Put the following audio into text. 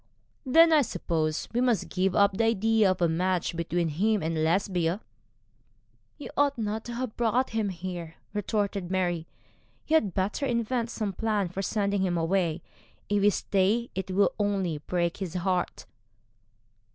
'Then I suppose we must give up the idea of a match between him and Lesbia.' 'You ought not to have brought him here,' retorted Mary. 'You had better invent some plan for sending him away. If he stay it will be only to break his heart.'